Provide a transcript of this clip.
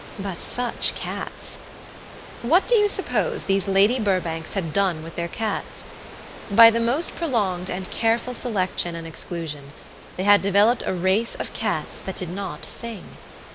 But such cats! What do you suppose these Lady Burbanks had done with their cats? By the most prolonged and careful selection and exclusion they had developed a race of cats that did not sing!